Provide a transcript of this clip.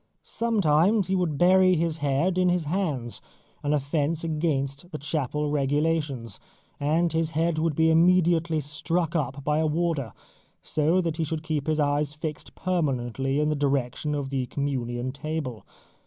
Sometimes he would bury his head in his hands, an offence against the chapel regulations, and his head would be immediately struck up by a warder, so that he should keep his eyes fixed permanently in the direction of the Communion table.